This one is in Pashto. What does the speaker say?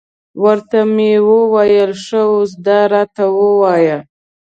ورته ومې ویل، ښه اوس دا راته ووایه.